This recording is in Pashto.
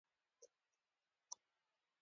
تنور د ښځینه باور ښکارندوی دی